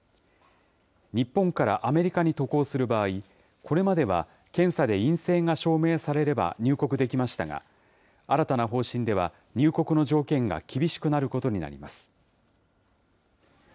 日本からアメリカに渡航する場合、これまでは検査で陰性が証明されれば入国できましたが、新たな方針では入国の条件が厳しくなることになります。